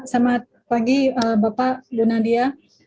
selamat pagi bapak dr nadia